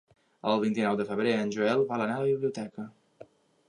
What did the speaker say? El vint-i-nou de febrer en Joel vol anar a la biblioteca.